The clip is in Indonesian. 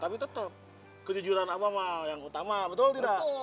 tapi tetap kejujuran abang yang utama betul tidak